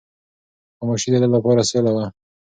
خاموشي د ده لپاره سوله وه.